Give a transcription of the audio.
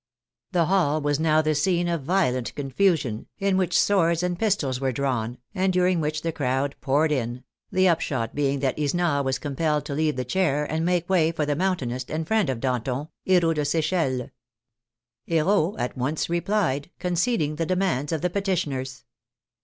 The hall was now the scene of violent confusion, in which swords and pistols were drawn, and during which the crowd poured in, the upshot being that Isnard was compelled to leave the chair and make way for the Moun tainist and friend of Danton, Herault de Sechelles. He rault at once replied, conceding the demands of the peti tioners.